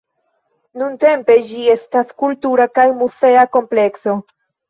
Nuntempe ĝi estas kultura kaj muzea komplekso.